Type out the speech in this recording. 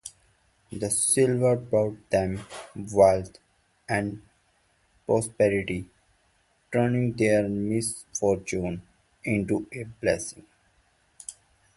The silver brought them wealth and prosperity, turning their misfortune into a blessing.